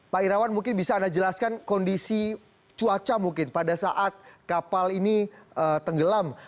pak irawan mungkin bisa anda jelaskan kondisi cuaca mungkin pada saat kapal ini tenggelam